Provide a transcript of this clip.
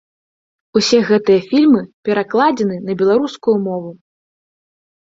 Усе гэтыя фільмы перакладзены на беларускую мову.